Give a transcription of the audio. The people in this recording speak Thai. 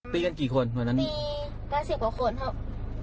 สงสารครูเขาครับ